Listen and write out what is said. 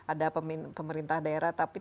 ada pemerintah daerah tapi